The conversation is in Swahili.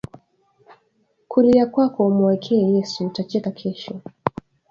Kulia kwako umuwekee yesu uta cheka kesho